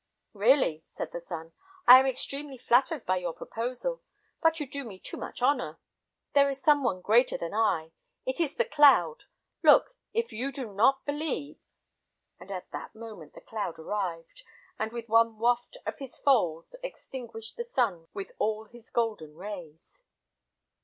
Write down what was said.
"Really," said the sun, "I am extremely flattered by your proposal, but you do me too much honor; there is some one greater than I; it is the cloud. Look, if you do not believe." ... And at that moment the cloud arrived, and with one waft of his folds extinguished the sun with all his golden rays.